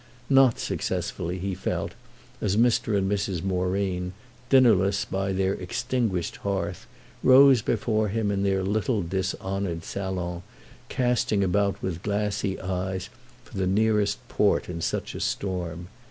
Not successfully, he felt, as Mr. and Mrs. Moreen, dinnerless by their extinguished hearth, rose before him in their little dishonoured salon, casting about with glassy eyes for the nearest port in such a storm.